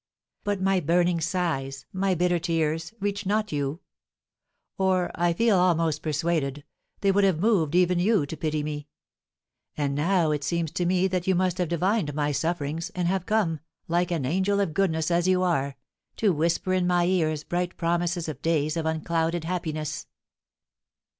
But my burning sighs, my bitter tears, reached not you; or, I feel almost persuaded, they would have moved even you to pity me. And now it seems to me that you must have divined my sufferings, and have come, like an angel of goodness as you are, to whisper in my ears bright promises of days of unclouded happiness.